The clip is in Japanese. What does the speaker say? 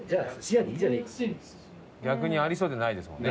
逆にありそうでないですもんね